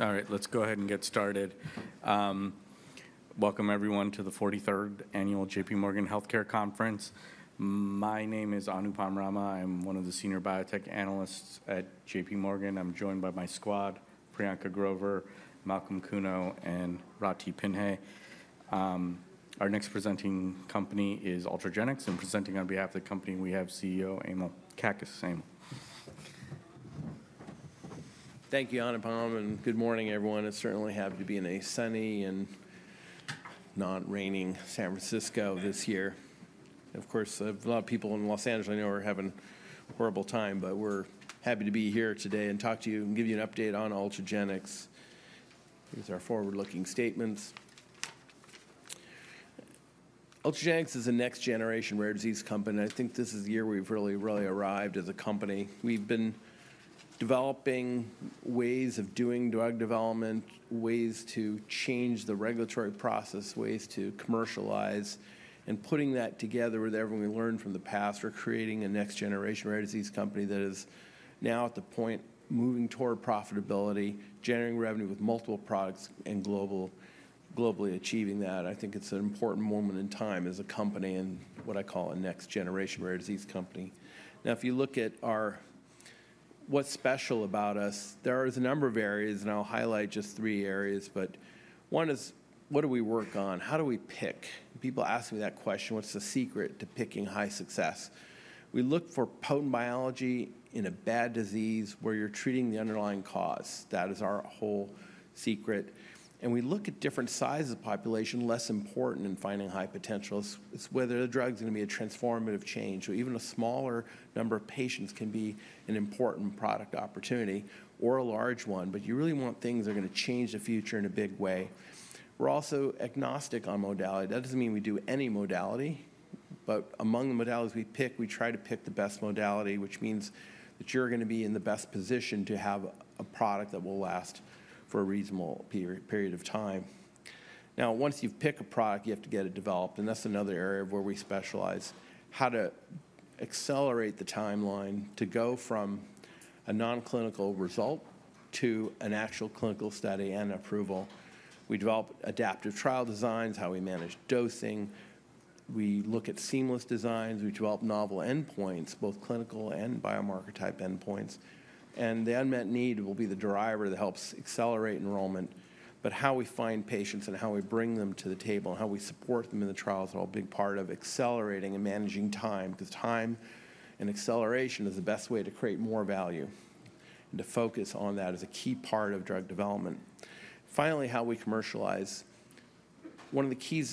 All right, let's go ahead and get started. Welcome, everyone, to the 43rd Annual JPMorgan Healthcare Conference. My name is Anupam Rama. I'm one of the Senior Biotech Analysts at JPMorgan. I'm joined by my squad, Priyanka Grover, Malcolm Kuno, and Ratih Pinhey. Our next presenting company is Ultragenyx. I'm presenting on behalf of the company, we have CEO, Emil Kakkis. Emil. Thank you, Anupam, and good morning, everyone. I'm certainly happy to be in a sunny and not raining San Francisco this year. Of course, a lot of people in Los Angeles I know are having a horrible time, but we're happy to be here today and talk to you and give you an update on Ultragenyx. These are our forward-looking statements. Ultragenyx is a next-generation rare disease company. I think this is the year we've really, really arrived as a company. We've been developing ways of doing drug development, ways to change the regulatory process, ways to commercialize, and putting that together with everything we learned from the past. We're creating a next-generation rare disease company that is now at the point moving toward profitability, generating revenue with multiple products and globally achieving that. I think it's an important moment in time as a company and what I call a next-generation rare disease company. Now, if you look at our what's special about us, there are a number of areas, and I'll highlight just three areas. But one is, what do we work on? How do we pick? People ask me that question. What's the secret to picking high success? We look for potent biology in a bad disease where you're treating the underlying cause. That is our whole secret. And we look at different sizes of population, less important in finding high potentials. It's whether the drug's going to be a transformative change, or even a smaller number of patients can be an important product opportunity, or a large one. But you really want things that are going to change the future in a big way. We're also agnostic on modality. That doesn't mean we do any modality, but among the modalities we pick, we try to pick the best modality, which means that you're going to be in the best position to have a product that will last for a reasonable period of time. Now, once you've picked a product, you have to get it developed, and that's another area where we specialize: how to accelerate the timeline to go from a nonclinical result to an actual clinical study and approval. We develop adaptive trial designs, how we manage dosing. We look at seamless designs. We develop novel endpoints, both clinical and biomarker-type endpoints, and the unmet need will be the driver that helps accelerate enrollment. But how we find patients and how we bring them to the table and how we support them in the trials are all a big part of accelerating and managing time, because time and acceleration is the best way to create more value. And to focus on that is a key part of drug development. Finally, how we commercialize. One of the key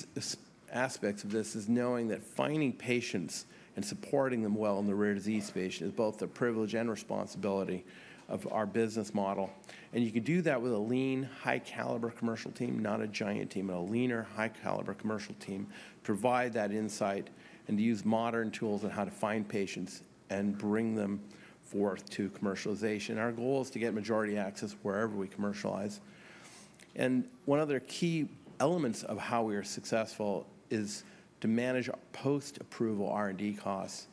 aspects of this is knowing that finding patients and supporting them well in the rare disease space is both a privilege and responsibility of our business model. And you can do that with a lean, high-caliber commercial team, not a giant team, but a leaner, high-caliber commercial team, to provide that insight and to use modern tools on how to find patients and bring them forth to commercialization. Our goal is to get majority access wherever we commercialize. And one other key element of how we are successful is to manage post-approval R&D costs.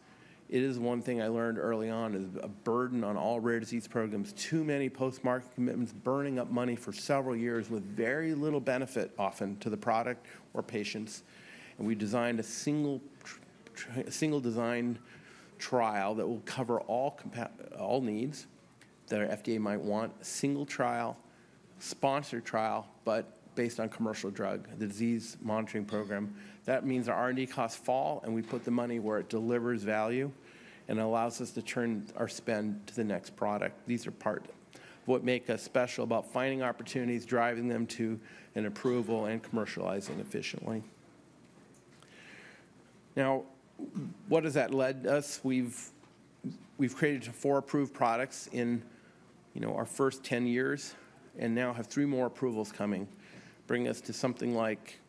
It is one thing I learned early on, is a burden on all rare disease programs, too many post-market commitments, burning up money for several years with very little benefit often to the product or patients. And we designed a single design trial that will cover all needs that our FDA might want, a single trial, sponsored trial, but based on commercial drug, the disease monitoring program. That means our R&D costs fall, and we put the money where it delivers value and allows us to turn our spend to the next product. These are part of what makes us special about finding opportunities, driving them to an approval, and commercializing efficiently. Now, what has that led us? We've created four approved products in our first 10 years and now have three more approvals coming, bringing us to something like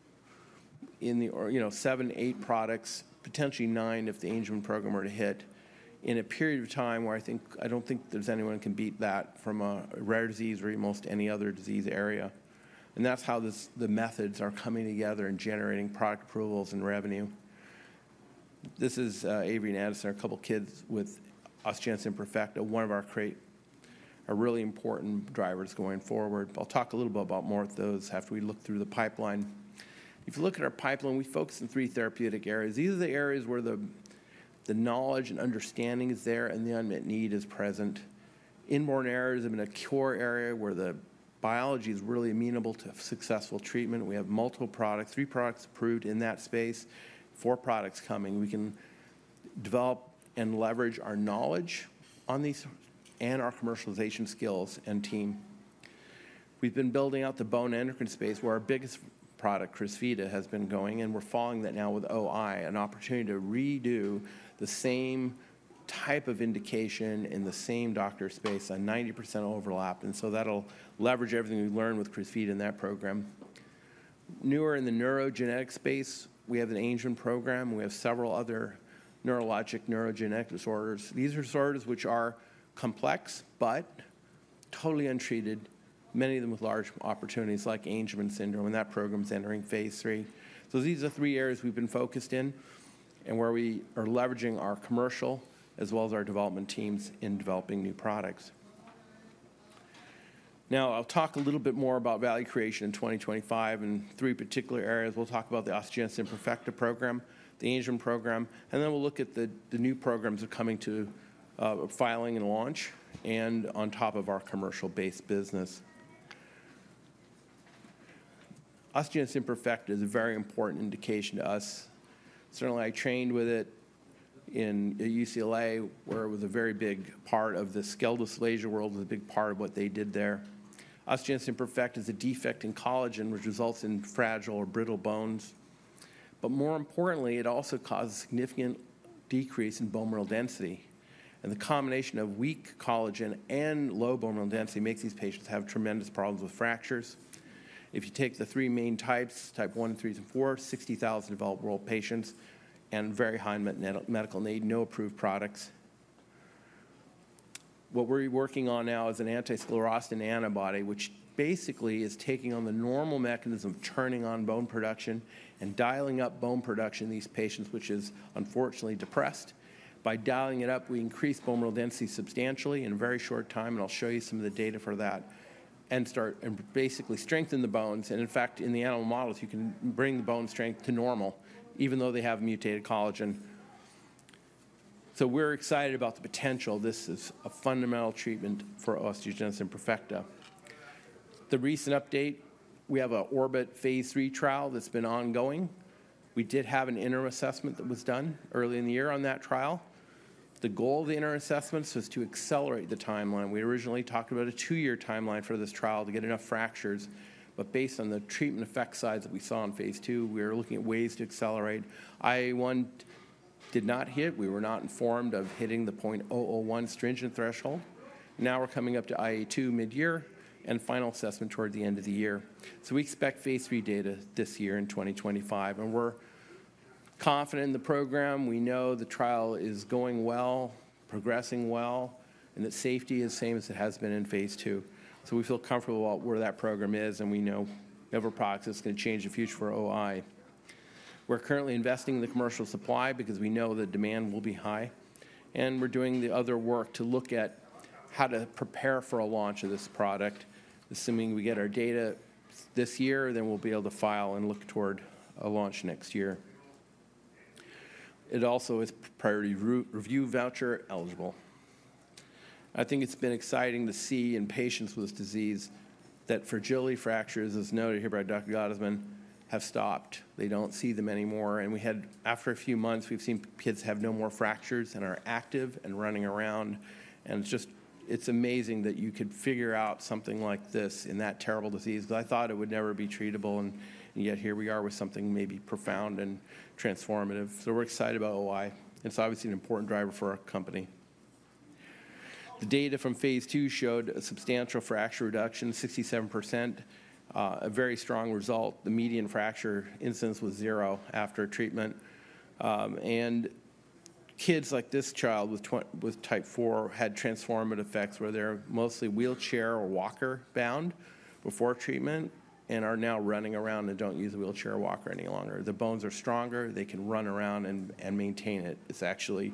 seven, eight products, potentially nine if the Angelman program were to hit, in a period of time where I don't think there's anyone who can beat that from a rare disease or most any other disease area, and that's how the modalities are coming together and generating product approvals and revenue. This is Avery and Addison, our couple of kids with Osteogenesis Imperfecta, one of our really important drivers going forward. I'll talk a little bit about more of those after we look through the pipeline. If you look at our pipeline, we focus on three therapeutic areas. These are the areas where the knowledge and understanding is there and the unmet need is present. Inborn errors have been a cure area where the biology is really amenable to successful treatment. We have multiple products, three products approved in that space, four products coming. We can develop and leverage our knowledge on these and our commercialization skills and team. We've been building out the bone endocrine space where our biggest product, Crysvita, has been going, and we're following that now with OI, an opportunity to redo the same type of indication in the same doctor space on 90% overlap. And so that'll leverage everything we learned with Crysvita in that program. Newer in the neurogenetic space, we have an Angelman program. We have several other neurologic neurogenetic disorders. These are disorders which are complex but totally untreated, many of them with large opportunities like Angelman syndrome, and that program's entering phase III. These are three areas we've been focused in and where we are leveraging our commercial as well as our development teams in developing new products. Now, I'll talk a little bit more about value creation in 2025 in three particular areas. We'll talk about the Osteogenesis Imperfecta program, the Angelman program, and then we'll look at the new programs that are coming to filing and launch and on top of our commercial-based business. Osteogenesis Imperfecta is a very important indication to us. Certainly, I trained with it in UCLA, where it was a very big part of the skeletal dysplasia world, was a big part of what they did there. Osteogenesis Imperfecta is a defect in collagen, which results in fragile or brittle bones. But more importantly, it also causes a significant decrease in bone mineral density. The combination of weak collagen and low bone mineral density makes these patients have tremendous problems with fractures. If you take the three main types, Type one, three, and four, 60,000 developed world patients and very high unmet medical need, no approved products. What we're working on now is an anti-sclerostin antibody, which basically is taking on the normal mechanism of turning on bone production and dialing up bone production in these patients, which is unfortunately depressed. By dialing it up, we increase bone mineral density substantially in a very short time, and I'll show you some of the data for that, and basically strengthen the bones. In fact, in the animal models, you can bring the bone strength to normal, even though they have mutated collagen. We're excited about the potential. This is a fundamental treatment for osteogenesis imperfecta. The recent update, we have an Orbit phase III trial that's been ongoing. We did have an interim assessment that was done early in the year on that trial. The goal of the interim assessments was to accelerate the timeline. We originally talked about a two-year timeline for this trial to get enough fractures. But based on the treatment effect size that we saw in phase II, we were looking at ways to accelerate. IA-1 did not hit. We were not informed of hitting the 0.001 stringent threshold. Now we're coming up to IA-2 mid-year and final assessment towards the end of the year. So we expect phase III data this year in 2025. And we're confident in the program. We know the trial is going well, progressing well, and that safety is the same as it has been in phase II. We feel comfortable about where that program is, and we know a new product that's going to change the future for OI. We're currently investing in the commercial supply because we know the demand will be high. We're doing the other work to look at how to prepare for a launch of this product, assuming we get our data this year, then we'll be able to file and look toward a launch next year. It also is priority review voucher eligible. I think it's been exciting to see in patients with this disease that fragility fractures, as noted here by Dr. Gottesman, have stopped. They don't see them anymore. After a few months, we've seen kids have no more fractures and are active and running around. It's amazing that you could figure out something like this in that terrible disease, because I thought it would never be treatable. And yet here we are with something maybe profound and transformative. We're excited about OI. It's obviously an important driver for our company. The data from phase II showed a substantial fracture reduction, 67%, a very strong result. The median fracture incidence was zero after treatment. Kids like this child with type four had transformative effects where they're mostly wheelchair or walker bound before treatment and are now running around and don't use a wheelchair or walker any longer. The bones are stronger. They can run around and maintain it. It's actually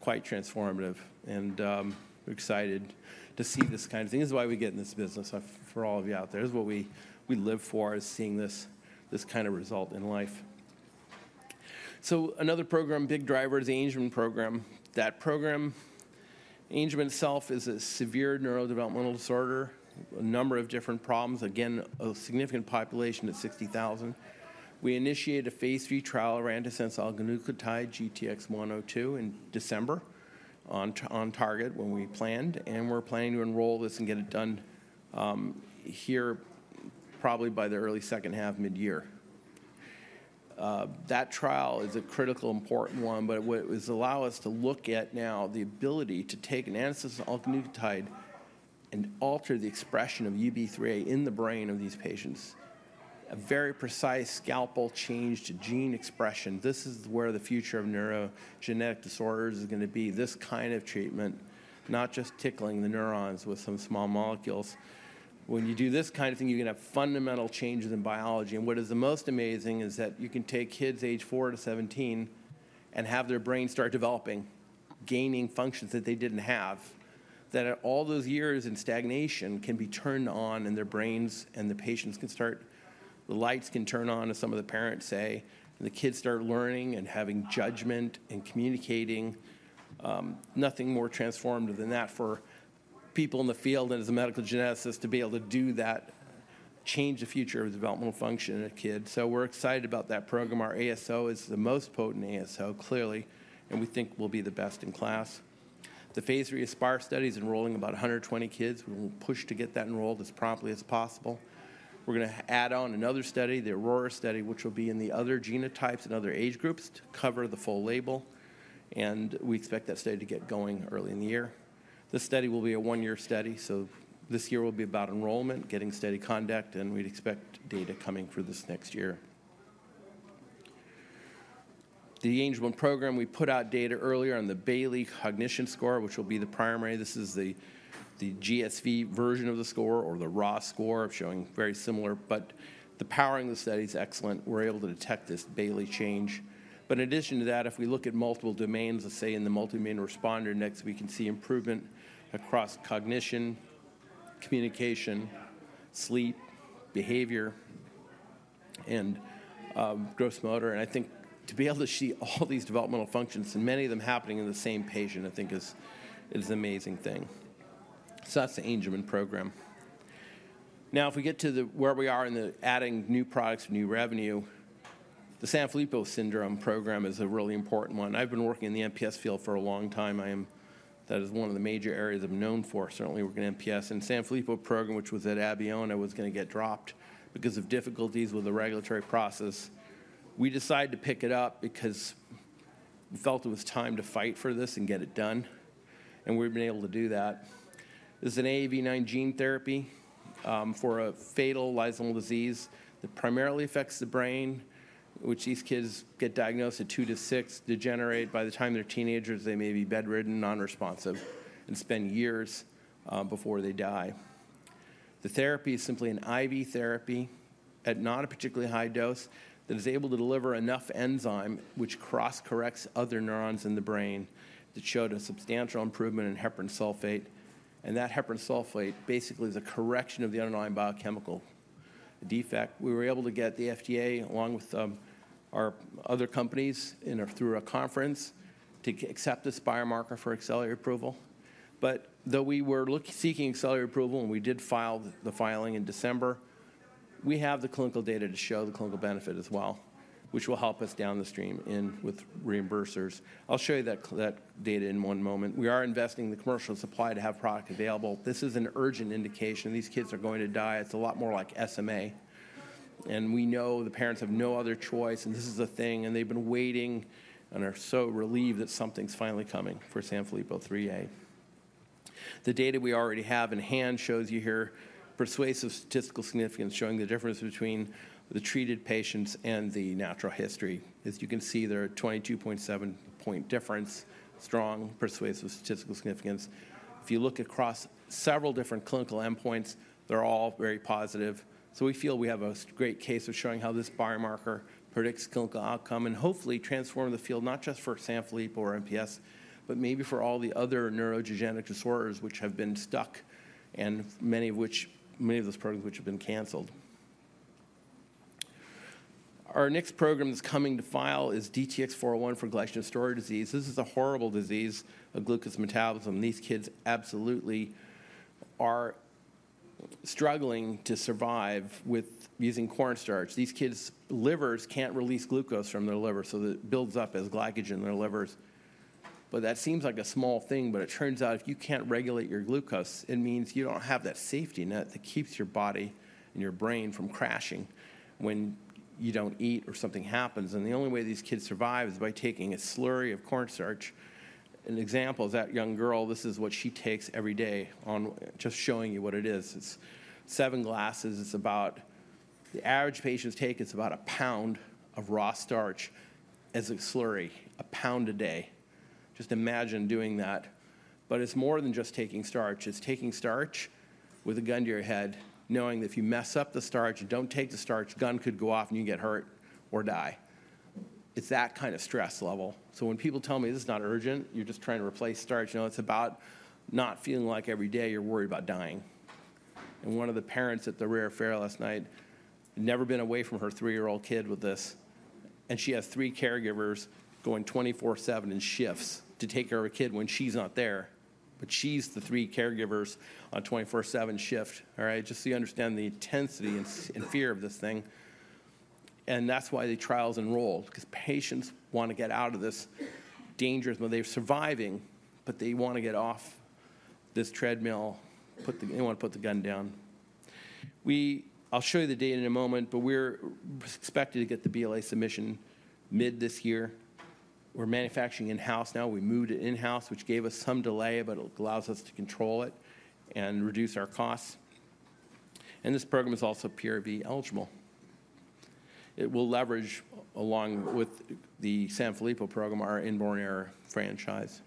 quite transformative. We're excited to see this kind of thing. This is why we get in this business for all of you out there. This is what we live for, is seeing this kind of result in life. So another program, big driver is the Angelman program. That program, Angelman itself is a severe neurodevelopmental disorder, a number of different problems, again, a significant population at 60,000. We initiated a phase III trial around antisense oligonucleotide, GTX-102, in December on target when we planned. And we're planning to enroll this and get it done here probably by the early second half mid-year. That trial is a critical, important one, but it will allow us to look at now the ability to take an antisense oligonucleotide and alter the expression of UBE3A in the brain of these patients, a very precise scalpel change to gene expression. This is where the future of neurogenetic disorders is going to be, this kind of treatment, not just tickling the neurons with some small molecules. When you do this kind of thing, you can have fundamental changes in biology. And what is the most amazing is that you can take kids age four to 17 and have their brain start developing, gaining functions that they didn't have, that all those years in stagnation can be turned on in their brains and the patients can start, the lights can turn on, as some of the parents say, and the kids start learning and having judgment and communicating. Nothing more transformative than that for people in the field and as a medical geneticist to be able to do that, change the future of developmental function in a kid. So we're excited about that program. Our ASO is the most potent ASO, clearly, and we think we'll be the best in class. The phase III Aspire study is enrolling about 120 kids. We will push to get that enrolled as promptly as possible. We're going to add on another study, the Aurora study, which will be in the other genotypes and other age groups to cover the full label, and we expect that study to get going early in the year. This study will be a one-year study, so this year will be about enrollment, getting steady conduct, and we'd expect data coming for this next year. The Angelman program, we put out data earlier on the Bayley cognition score, which will be the primary. This is the GSV version of the score or the raw score showing very similar, but the power in the study is excellent. We're able to detect this Bayley change. But in addition to that, if we look at multiple domains, let's say in the multi-domain responder index, we can see improvement across cognition, communication, sleep, behavior, and gross motor. And I think to be able to see all these developmental functions and many of them happening in the same patient, I think is an amazing thing. So that's the Angelman program. Now, if we get to where we are in the adding new products, new revenue, the Sanfilippo Syndrome program is a really important one. I've been working in the MPS field for a long time. That is one of the major areas I'm known for, certainly working in MPS. And the Sanfilippo program, which was at Abeona, was going to get dropped because of difficulties with the regulatory process. We decided to pick it up because we felt it was time to fight for this and get it done. We've been able to do that. This is an AAV9 gene therapy for a fatal lysosomal disease that primarily affects the brain, which these kids get diagnosed at two to six degenerate. By the time they're teenagers, they may be bedridden, non-responsive, and spend years before they die. The therapy is simply an IV therapy at not a particularly high dose that is able to deliver enough enzyme which cross-corrects other neurons in the brain that showed a substantial improvement in heparan sulfate. That heparan sulfate basically is a correction of the underlying biochemical defect. We were able to get the FDA along with our other companies through a conference to accept the Aspire marker for accelerated approval. But though we were seeking accelerated approval and we did file the filing in December, we have the clinical data to show the clinical benefit as well, which will help us downstream with reimbursers. I'll show you that data in one moment. We are investing in the commercial supply to have product available. This is an urgent indication. These kids are going to die. It's a lot more like SMA, and we know the parents have no other choice. And this is a thing, and they've been waiting and are so relieved that something's finally coming for Sanfilippo IIIA. The data we already have in hand shows you here persuasive statistical significance showing the difference between the treated patients and the natural history. As you can see, there are a 22.7-point difference, strong persuasive statistical significance. If you look across several different clinical endpoints, they're all very positive. So we feel we have a great case of showing how this Aspire marker predicts clinical outcome and hopefully transform the field, not just for Sanfilippo or MPS, but maybe for all the other neurodegenerative disorders which have been stuck and many of those programs which have been canceled. Our next program that's coming to file is DTX401 for Glycogen Storage Disease. This is a horrible disease of glucose metabolism. These kids absolutely are struggling to survive with using cornstarch. These kids' livers can't release glucose from their liver, so it builds up as glycogen in their livers. But that seems like a small thing, but it turns out if you can't regulate your glucose, it means you don't have that safety net that keeps your body and your brain from crashing when you don't eat or something happens. And the only way these kids survive is by taking a slurry of cornstarch. An example is that young girl. This is what she takes every day. I'm just showing you what it is. It's seven glasses. The average patient takes about a pound of raw starch as a slurry, a pound a day. Just imagine doing that. But it's more than just taking starch. It's taking starch with a gun to your head, knowing that if you mess up the starch and don't take the starch, the gun could go off and you can get hurt or die. It's that kind of stress level. So when people tell me, "This is not urgent. You're just trying to replace starch," it's about not feeling like every day you're worried about dying. And one of the parents at the Rare Affair last night had never been away from her three-year-old kid with this. And she has three caregivers going 24/7 in shifts to take care of a kid when she's not there. But she's the three caregivers on a 24/7 shift, all right, just so you understand the intensity and fear of this thing. And that's why the trial's enrolled, because patients want to get out of this dangerous mode. They're surviving, but they want to get off this treadmill. They want to put the gun down. I'll show you the data in a moment, but we're expected to get the BLA submission mid this year. We're manufacturing in-house now. We moved it in-house, which gave us some delay, but it allows us to control it and reduce our costs. And this program is also PRV eligible. It will leverage along with the Sanfilippo program, our inborn error franchise.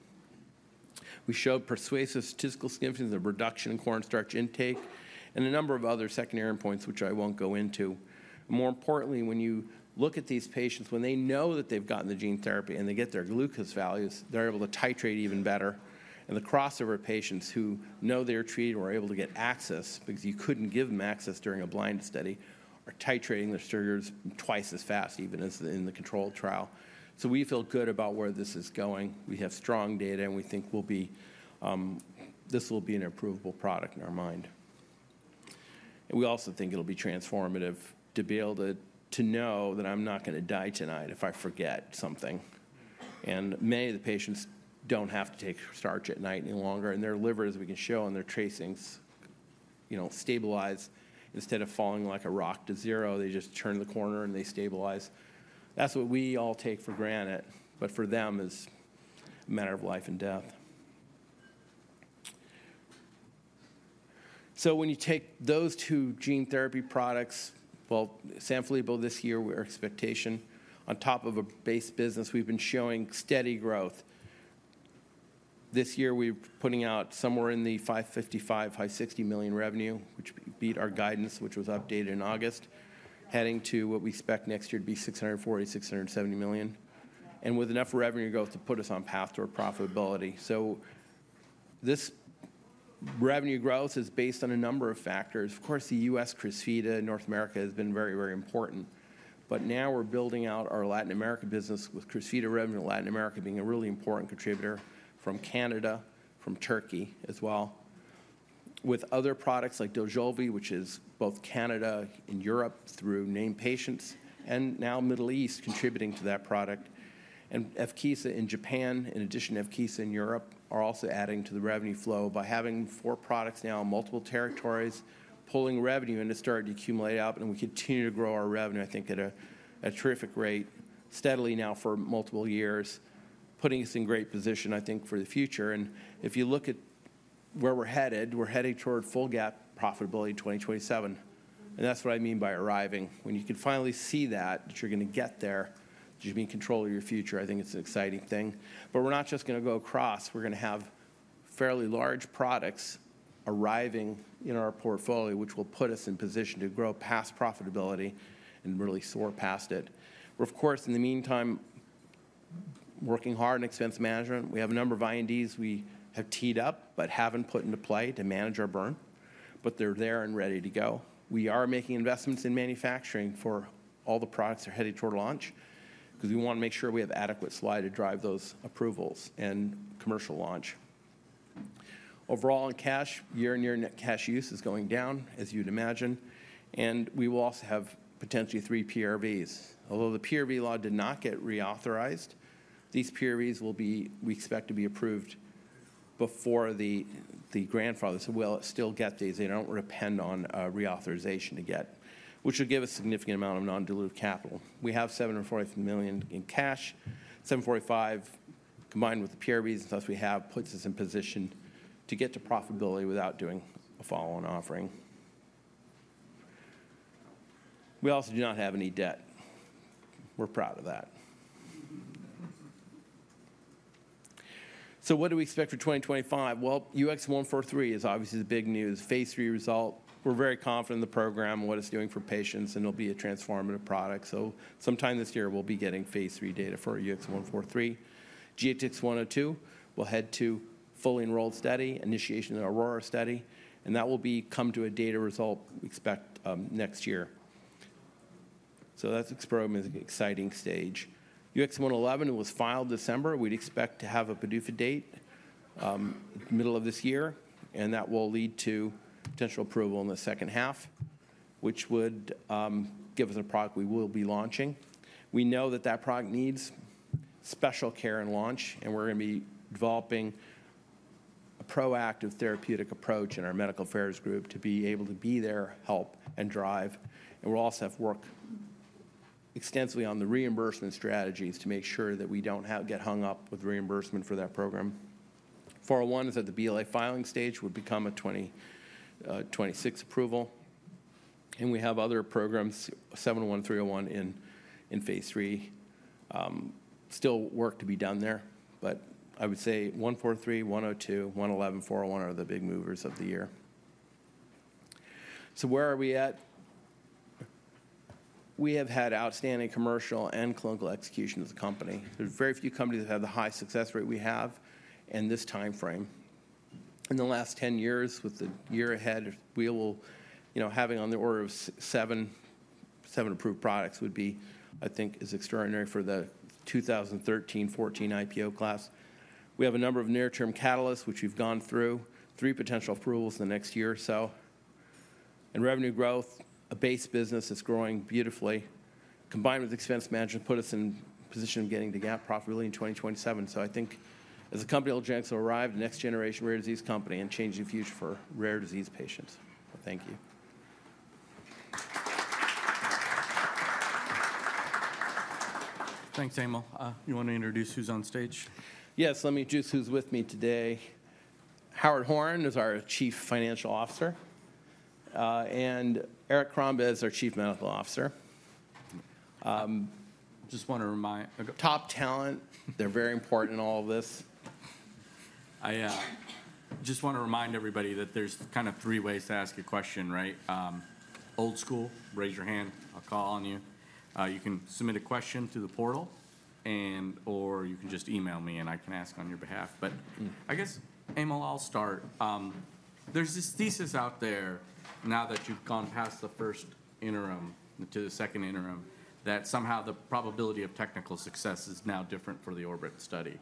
We showed persuasive statistical significance of reduction in cornstarch intake and a number of other secondary endpoints, which I won't go into. More importantly, when you look at these patients, when they know that they've gotten the gene therapy and they get their glucose values, they're able to titrate even better. And the crossover patients who know they're treated or are able to get access, because you couldn't give them access during a blind study, are titrating their sugars twice as fast even as in the control trial. So we feel good about where this is going. We have strong data, and we think this will be an approvable product in our mind. And we also think it'll be transformative to be able to know that I'm not going to die tonight if I forget something. And many of the patients don't have to take starch at night any longer. And their liver, as we can show in their tracings, stabilizes. Instead of falling like a rock to zero, they just turn the corner and they stabilize. That's what we all take for granted, but for them, it's a matter of life and death. So when you take those two gene therapy products, well, Sanfilippo this year with our expectation, on top of a base business, we've been showing steady growth. This year, we're putting out somewhere in the $555 million-$560 million revenue, which beat our guidance, which was updated in August, heading to what we expect next year to be $640 million-$670 million, and with enough revenue growth to put us on path to our profitability, so this revenue growth is based on a number of factors. Of course, the U.S. Crysvita in North America has been very, very important. But now we're building out our Latin America business with Crysvita revenue in Latin America being a really important contributor from Canada, from Turkey as well, with other products like Dojolvi, which is both Canada and Europe through named patients, and now Middle East contributing to that product. And Evkeeza in Japan, in addition to Evkeeza in Europe, are also adding to the revenue flow by having four products now in multiple territories, pulling revenue and it's starting to accumulate out. And we continue to grow our revenue, I think, at a terrific rate, steadily now for multiple years, putting us in great position, I think, for the future. And if you look at where we're headed, we're heading toward full GAAP profitability in 2027. And that's what I mean by arriving. When you can finally see that, that you're going to get there, that you're in control of your future, I think it's an exciting thing. But we're not just going to go across. We're going to have fairly large products arriving in our portfolio, which will put us in position to grow past profitability and really soar past it. We're, of course, in the meantime, working hard in expense management. We have a number of INDs we have teed up but haven't put into play to manage our burn, but they're there and ready to go. We are making investments in manufacturing for all the products that are headed toward launch because we want to make sure we have adequate supply to drive those approvals and commercial launch. Overall, in cash, year-on-year net cash use is going down, as you'd imagine. And we will also have potentially three PRVs. Although the PRV law did not get reauthorized, these PRVs will be we expect to be approved before the grandfather. So we'll still get these. They don't depend on reauthorization to get, which will give us a significant amount of non-dilutive capital. We have $740 million in cash. $745 million combined with the PRVs and stuff we have puts us in position to get to profitability without doing a follow-on offering. We also do not have any debt. We're proud of that. What do we expect for 2025? UX143 is obviously the big news, phase III result. We're very confident in the program and what it's doing for patients, and it'll be a transformative product. Sometime this year, we'll be getting phase III data for UX143. GTX-102 will head to fully enrolled study, initiation of the Aurora study, and that will come to a data result we expect next year. That's Aspire's exciting stage. UX111, it was filed December. We'd expect to have a PDUFA date middle of this year, and that will lead to potential approval in the second half, which would give us a product we will be launching. We know that that product needs special care and launch, and we're going to be developing a proactive therapeutic approach in our medical affairs group to be able to be there, help, and drive, and we'll also have worked extensively on the reimbursement strategies to make sure that we don't get hung up with reimbursement for that program. 401 is at the BLA filing stage, would become a 2026 approval, and we have other programs, 701, 301 in phase III. Still work to be done there, but I would say 143, 102, 111, 401 are the big movers of the year, so where are we at? We have had outstanding commercial and clinical execution of the company. There are very few companies that have the high success rate we have in this timeframe. In the last 10 years, with the year ahead, we will have on the order of seven approved products, which would be, I think, extraordinary for the 2013, 2014 IPO class. We have a number of near-term catalysts, which we've gone through, three potential approvals in the next year or so. Revenue growth, a base business that's growing beautifully, combined with expense management, put us in position of getting to GAAP profitability in 2027. So I think as a company we will generally arrive as the next generation rare disease company and change the future for rare disease patients. Thank you. Thanks, Emil. You want to introduce who's on stage? Yes. Let me introduce who's with me today. Howard Horn is our Chief Financial Officer, and Eric Crombez is our Chief Medical Officer. Just want to remind top talent. They're very important in all of this. I just want to remind everybody that there's kind of three ways to ask a question, right? Old school, raise your hand. I'll call on you. You can submit a question through the portal, and/or you can just email me, and I can ask on your behalf. But I guess, Emil, I'll start. There's this thesis out there now that you've gone past the first interim to the second interim that somehow the probability of technical success is now different for the ORBIT study.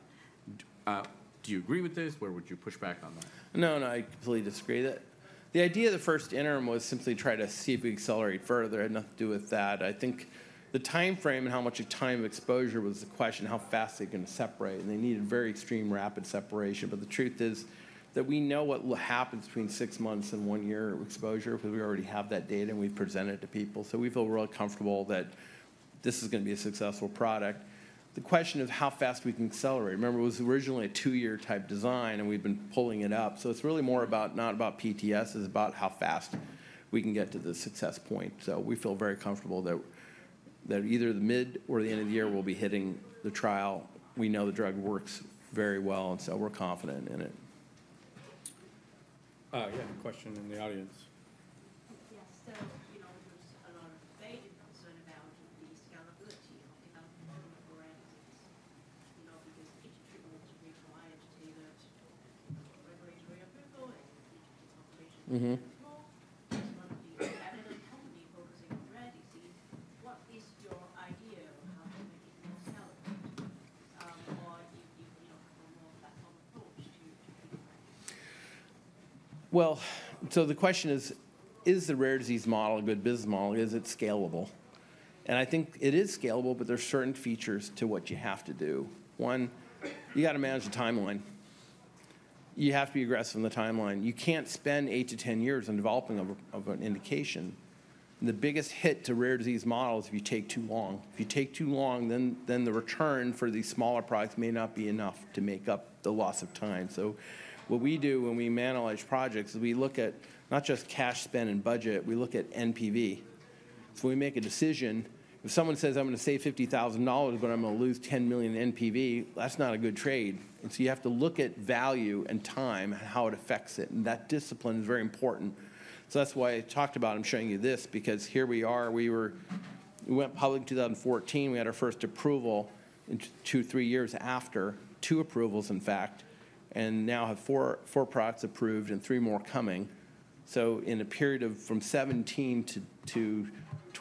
Do you agree with this? Where would you push back on that? No, no. I completely disagree with that. The idea of the first interim was simply to try to see if we could accelerate further. It had nothing to do with that. I think the timeframe and how much of time exposure was the question, how fast they're going to separate, and they needed very extreme, rapid separation, but the truth is that we know what will happen between six months and one year of exposure because we already have that data and we've presented it to people, so we feel really comfortable that this is going to be a successful product. The question of how fast we can accelerate. Remember, it was originally a two-year type design, and we've been pulling it up, so it's really more about not about PTS, it's about how fast we can get to the success point. So we feel very comfortable that either the mid or the end of the year we'll be hitting the trial. We know the drug works very well, and so we're confident in it. Yeah, question in the audience. Yes. So there's a lot of debate and concern about GT's scalability and development for rare diseases. Because GT treatments require to tailor to the regulatory approval and the complexity is much more. So one of the avenues is companies focusing on rare diseases. What is your idea of how to make it more scalable? Or do you prefer more platform approach to treatment? The question is, is the rare disease model a good business model? Is it scalable? I think it is scalable, but there are certain features to what you have to do. One, you got to manage the timeline. You have to be aggressive on the timeline. You can't spend eight to 10 years on developing an indication. The biggest hit to rare disease models is if you take too long. If you take too long, then the return for these smaller products may not be enough to make up the loss of time. What we do when we prioritize projects is we look at not just cash spend and budget, we look at NPV. When we make a decision, if someone says, "I'm going to save $50,000, but I'm going to lose $10 million NPV," that's not a good trade. And so you have to look at value and time and how it affects it. And that discipline is very important. So that's why I talked about. I'm showing you this because here we are. We went public in 2014. We had our first approval two, three years after, two approvals, in fact, and now have four products approved and three more coming. So in a period of from 2017 to 2024,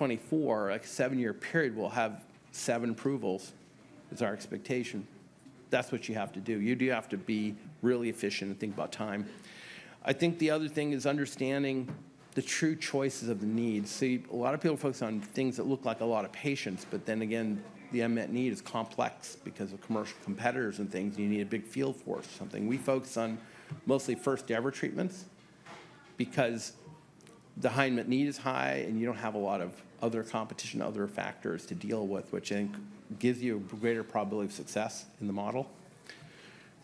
a seven-year period, we'll have seven approvals is our expectation. That's what you have to do. You do have to be really efficient and think about time. I think the other thing is understanding the true choices of the needs. See, a lot of people focus on things that look like a lot of patients, but then again, the unmet need is complex because of commercial competitors and things. You need a big field force or something. We focus on mostly first-ever treatments because the high unmet need is high and you don't have a lot of other competition, other factors to deal with, which I think gives you a greater probability of success in the model.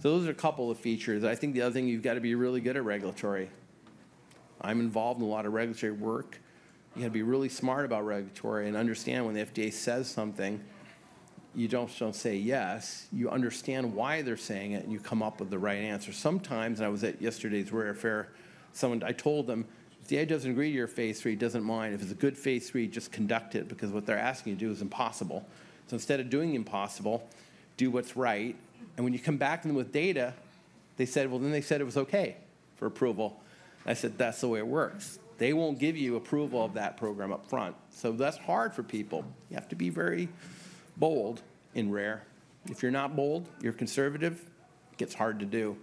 So those are a couple of features. I think the other thing, you've got to be really good at regulatory. I'm involved in a lot of regulatory work. You have to be really smart about regulatory and understand when the FDA says something, you don't just say yes. You understand why they're saying it and you come up with the right answer. Sometimes, and I was at yesterday's rare affair, I told them, if the FDA doesn't agree to your phase III, it doesn't matter. If it's a good phase III, just conduct it because what they're asking you to do is impossible. So instead of doing the impossible, do what's right. And when you come back with data, they said, "Well, then they said it was okay for approval." I said, "That's the way it works." They won't give you approval of that program upfront. So that's hard for people. You have to be very bold in rare. If you're not bold, you're conservative, it gets hard to do.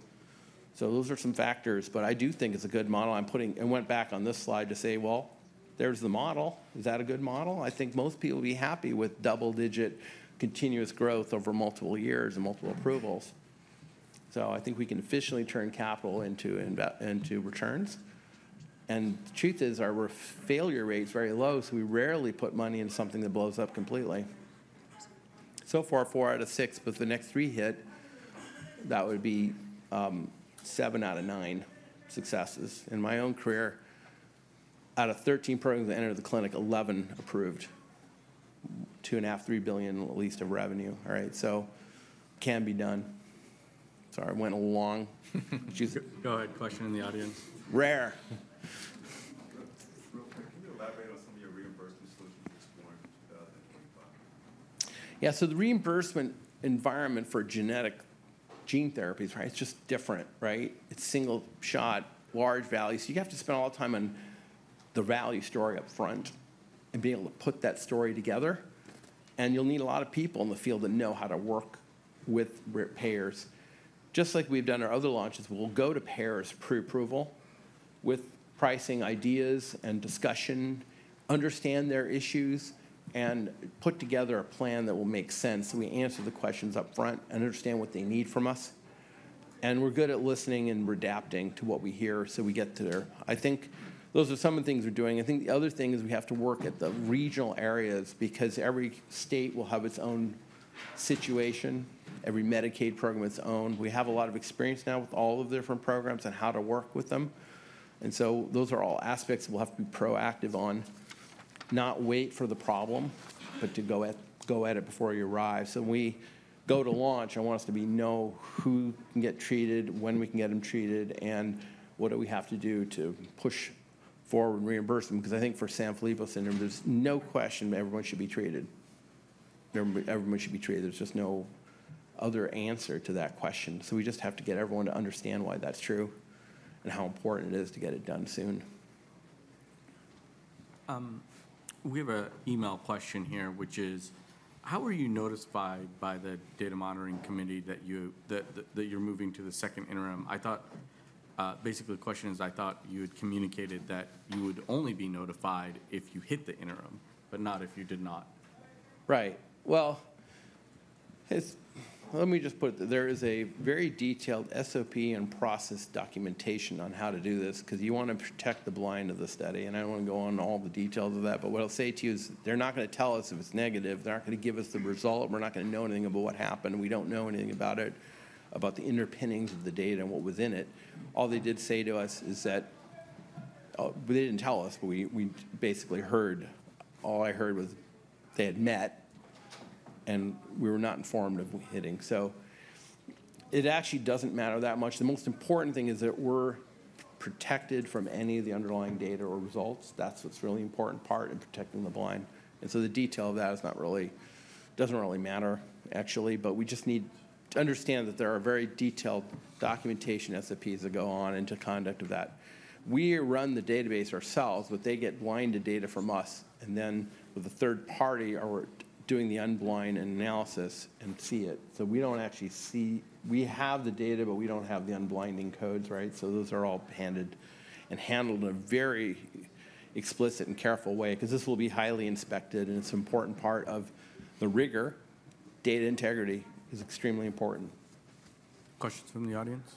So those are some factors. But I do think it's a good model. I went back on this slide to say, "Well, there's the model. Is that a good model?" I think most people would be happy with double-digit continuous growth over multiple years and multiple approvals. So I think we can efficiently turn capital into returns. And the truth is our failure rate is very low, so we rarely put money in something that blows up completely. So far, four out of six, but the next three hit, that would be seven out of nine successes. In my own career, out of 13 programs that entered the clinic, 11 approved. $2.5 billion-$3 billion at least of revenue. All right? So it can be done. Sorry, I went along. Go ahead. Question in the audience. Rare. Real quick, can you elaborate on some of your reimbursement solutions exploring in 2025? Yeah. So the reimbursement environment for genetic gene therapies, right, it's just different, right? It's single shot, large value. So you have to spend a lot of time on the value story upfront and being able to put that story together. And you'll need a lot of people in the field that know how to work with payers. Just like we've done our other launches, we'll go to payers pre-approval with pricing ideas and discussion, understand their issues, and put together a plan that will make sense. So we answer the questions upfront and understand what they need from us. And we're good at listening and reacting to what we hear so we get there. I think those are some of the things we're doing. I think the other thing is we have to work at the regional areas because every state will have its own situation. Every Medicaid program has its own. We have a lot of experience now with all of the different programs and how to work with them, and so those are all aspects we'll have to be proactive on, not wait for the problem, but to go at it before you arrive, so when we go to launch, I want us to know who can get treated, when we can get them treated, and what do we have to do to push forward reimbursement. Because I think for Sanfilippo syndrome, there's no question everyone should be treated. Everyone should be treated. There's just no other answer to that question, so we just have to get everyone to understand why that's true and how important it is to get it done soon. We have an email question here, which is, how were you notified by the data monitoring committee that you're moving to the second interim? Basically, the question is, I thought you had communicated that you would only be notified if you hit the interim, but not if you did not. Right. Well, let me just put it. There is a very detailed SOP and process documentation on how to do this because you want to protect the blind of the study. And I don't want to go on all the details of that. But what I'll say to you is they're not going to tell us if it's negative. They're not going to give us the result. We're not going to know anything about what happened. We don't know anything about it, about the inner workings of the data and what was in it. All they did say to us is that they didn't tell us, but we basically heard. All I heard was they had met, and we were not informed of hitting. So it actually doesn't matter that much. The most important thing is that we're protected from any of the underlying data or results. That's what's really important part in protecting the blind, and so the detail of that doesn't really matter, actually, but we just need to understand that there are very detailed documentation SOPs that go on into conduct of that. We run the database ourselves, but they get blinded data from us, and then with a third party, we're doing the unblind analysis and see it, so we don't actually see, we have the data, but we don't have the unblinding codes, right? So those are all handled in a very explicit and careful way because this will be highly inspected, and it's an important part of the rigor. Data integrity is extremely important. Questions from the audience?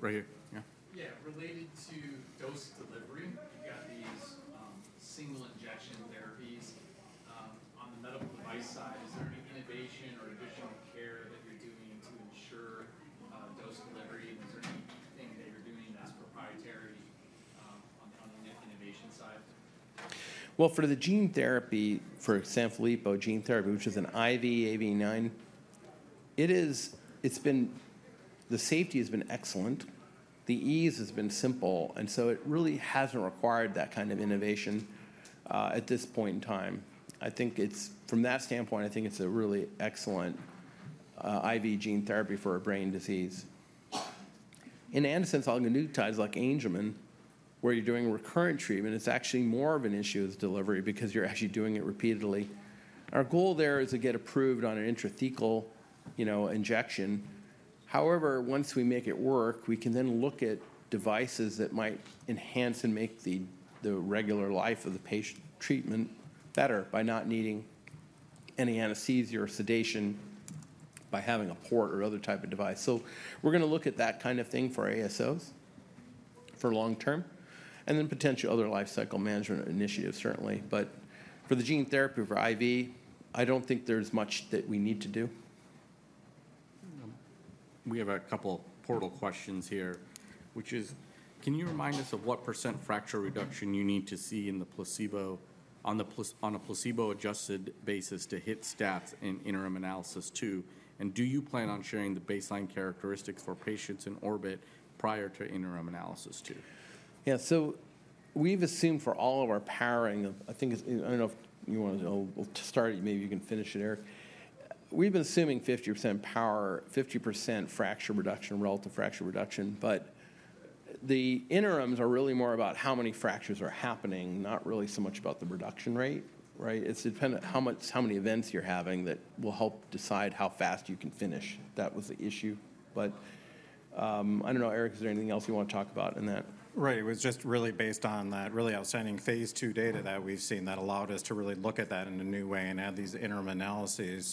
Right here. Yeah. Yeah. Related to dose delivery, you've got these single injection therapies. On the medical device side, is there any innovation or additional care that you're doing to ensure dose delivery? Is there anything that you're doing that's proprietary on the innovation side? For the gene therapy, for Sanfilippo gene therapy, which is an IV AAV9, the safety has been excellent. The ease has been simple. And so it really hasn't required that kind of innovation at this point in time. I think from that standpoint, I think it's a really excellent IV gene therapy for a brain disease. In antisense oligonucleotide neurotherapies like Angelman, where you're doing recurrent treatment, it's actually more of an issue of delivery because you're actually doing it repeatedly. Our goal there is to get approved on an intrathecal injection. However, once we make it work, we can then look at devices that might enhance and make the regular life of the patient treatment better by not needing any anesthesia or sedation by having a port or other type of device. So we're going to look at that kind of thing for ASOs for long term, and then potentially other lifecycle management initiatives, certainly. But for the gene therapy for IV, I don't think there's much that we need to do. We have a couple of portal questions here, which is, can you remind us of what % fracture reduction you need to see in the placebo on a placebo-adjusted basis to hit stats in interim analysis two? And do you plan on sharing the baseline characteristics for patients in ORBIT prior to interim analysis two? Yeah. So we've assumed for all of our powering, I think. I don't know if you want to start it. Maybe you can finish it, Eric. We've been assuming 50% power, 50% fracture reduction, relative fracture reduction. But the interims are really more about how many fractures are happening, not really so much about the recruitment rate, right? It's dependent on how many events you're having that will help decide how fast you can finish. That was the issue. But I don't know, Eric, is there anything else you want to talk about in that? Right. It was just really based on that really outstanding phase II data that we've seen that allowed us to really look at that in a new way and add these interim analyses.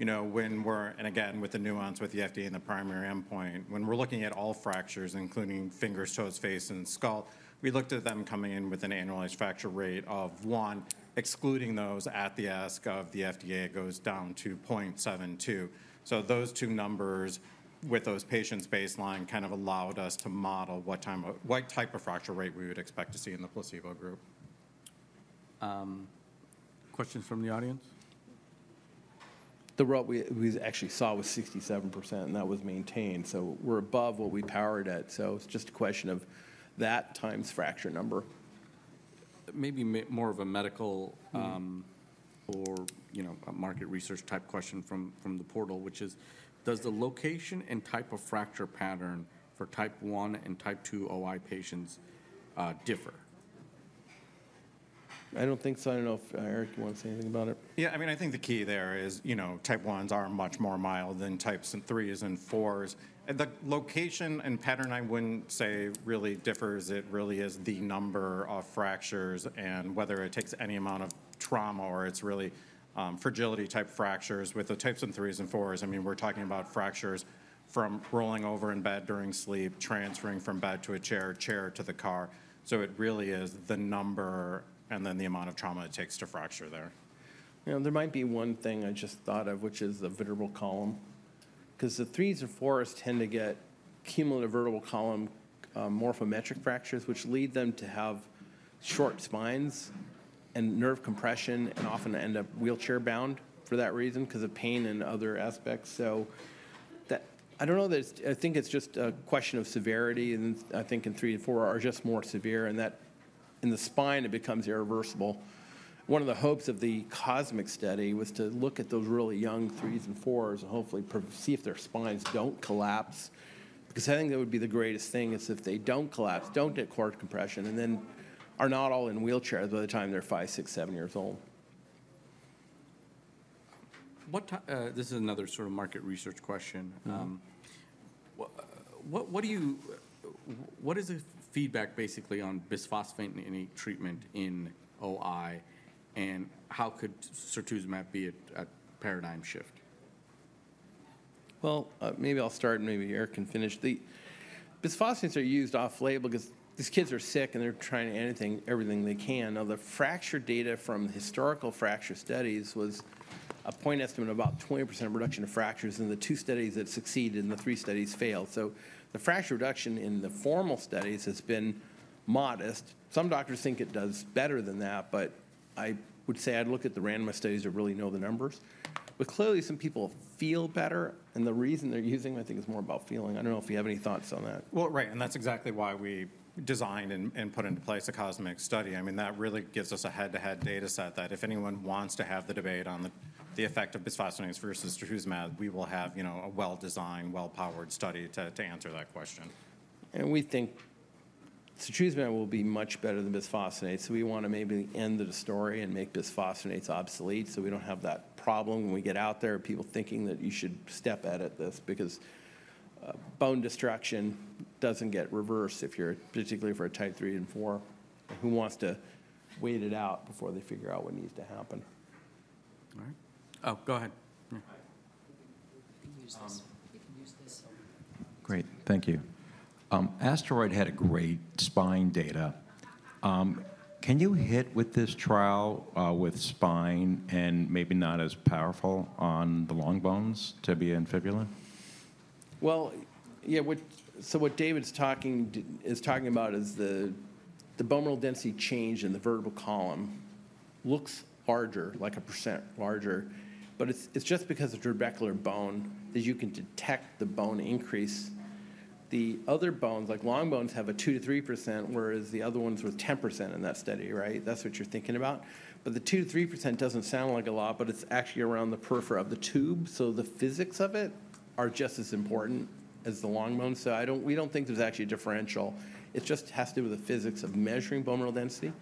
So when we're, and again, with the nuance with the FDA and the primary endpoint, when we're looking at all fractures, including fingers, toes, face, and skull, we looked at them coming in with an annualized fracture rate of one, excluding those at the ask of the FDA, it goes down to 0.72. So those two numbers with those patients' baseline kind of allowed us to model what type of fracture rate we would expect to see in the placebo group. Questions from the audience? The rate we actually saw was 67%, and that was maintained. So we're above what we powered at. So it's just a question of that times fracture number. Maybe more of a medical or a market research type question from the portal, which is, does the location and type of fracture pattern for type 1 and type 2 OI patients differ? I don't think so. I don't know if Eric, you want to say anything about it? Yeah. I mean, I think the key there is type 1s are much more mild than types threes and fours. And the location and pattern, I wouldn't say really differs. It really is the number of fractures and whether it takes any amount of trauma or it's really fragility type fractures. With the types threes and fours, I mean, we're talking about fractures from rolling over in bed during sleep, transferring from bed to a chair, chair to the car. So it really is the number and then the amount of trauma it takes to fracture there. There might be one thing I just thought of, which is the vertebral column. Because the threes and fours tend to get cumulative vertebral column morphometric fractures, which lead them to have short spines and nerve compression and often end up wheelchair bound for that reason because of pain and other aspects, I think it's just a question of severity. I think three and four are just more severe, and that in the spine, it becomes irreversible. One of the hopes of the COSMIC study was to look at those really young threes and fours and hopefully see if their spines don't collapse. Because I think that would be the greatest thing is if they don't collapse, don't get cord compression, and then are not all in wheelchairs by the time they're five, six, seven years old. This is another sort of market research question. What is the feedback basically on bisphosphonate in any treatment in OI, and how could setrusumab be a paradigm shift? Maybe I'll start and maybe Eric can finish. The bisphosphonates are used off label because these kids are sick and they're trying everything they can. Now, the fracture data from historical fracture studies was a point estimate of about 20% reduction of fractures in the two studies that succeeded and the three studies failed. So the fracture reduction in the formal studies has been modest. Some doctors think it does better than that, but I would say I'd look at the randomized studies that really know the numbers. But clearly, some people feel better. The reason they're using, I think, is more about feeling. I don't know if you have any thoughts on that. Right. That's exactly why we designed and put into place a Cosmic study. I mean, that really gives us a head-to-head data set that if anyone wants to have the debate on the effect of bisphosphonates versus setrusumab, we will have a well-designed, well-powered study to answer that question. We think setrusumab will be much better than bisphosphonates. So we want to maybe end the story and make bisphosphonates obsolete so we don't have that problem when we get out there, people thinking that you should settle for this. Because bone destruction doesn't get reversed particularly for a type three and four. Who wants to wait it out before they figure out what needs to happen? All right. Oh, go ahead. We can use this. Great. Thank you. ASTEROID had a great spine data. Can you hit with this trial with spine and maybe not as powerful on the long bones, tibia and fibula? Yeah. So what David is talking about is the bone mineral density change in the vertebral column looks larger, like a percent larger. But it's just because of trabecular bone that you can detect the bone increase. The other bones, like long bones, have a 2%-3%, whereas the other ones were 10% in that study, right? That's what you're thinking about. But the 2%-3% doesn't sound like a lot, but it's actually around the periphery of the tube. So the physics of it are just as important as the long bones. So we don't think there's actually a differential. It just has to do with the physics of measuring bone mineral density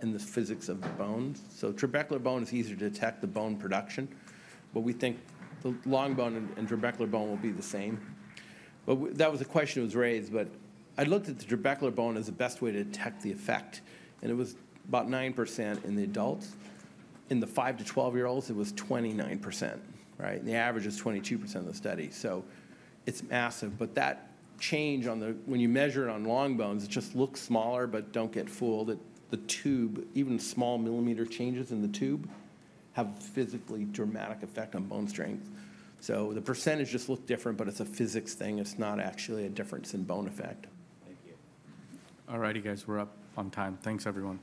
and the physics of the bone. So trabecular bone is easier to detect, the bone production. But we think the long bone and trabecular bone will be the same. But that was a question that was raised. But I looked at the trabecular bone as the best way to detect the effect. And it was about 9% in the adults. In the five to 12-year-olds, it was 29%, right? And the average is 22% of the study. So it's massive. But that change, and when you measure it on long bones, it just looks smaller, but don't get fooled. The trabecular, even small millimeter changes in the trabecular have a physically dramatic effect on bone strength. So the percentage just looks different, but it's a physics thing. It's not actually a difference in bone effect. Thank you. All righty, guys. We're up on time. Thanks, everyone.